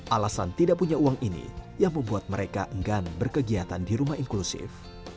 alasan tidak punya uang ini yang membuat mereka enggan berkegiatan di rumah inklusif